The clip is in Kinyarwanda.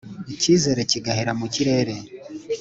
icyizere kigahera mu kirere